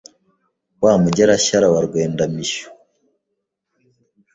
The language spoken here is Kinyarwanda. Wa Mugerashyara wa Rwendamishyo